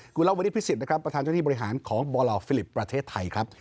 คุณละวันนี้พิสิทธินะครับประธานเจ้าที่บริหารของบอลฟิลิปประเทศไทยครับ